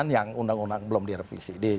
yang undang undang belum direvisi